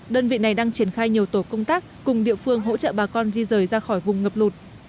đơn vị này đang triển khai nhiều tổ công tác cùng địa phương hỗ trợ bà con di rời ra khỏi vùng ngập lụt